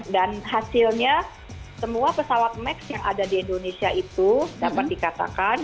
dan hasilnya semua pesawat max yang ada di indonesia itu dapat dikatakan